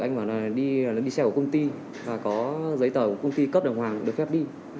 anh ấy bảo là đi xe của công ty và có giấy tờ của công ty cấp đồng hàng được phép đi